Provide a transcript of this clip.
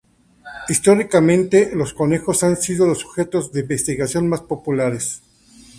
Históricamente, los conejos han sido los sujetos de investigación más populares.